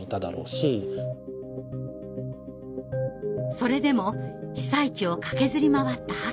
それでも被災地を駆けずり回った長谷部さん。